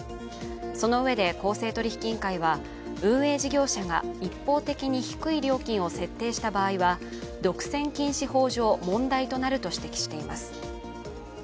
そのうえで、公正取引委員会は運営事業者が一方的に低い料金を設定した場合は独占禁止法上、問題となると指摘しています。